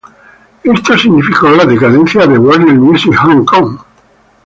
Esto significó la decadencia de Warner Music Hong Kong.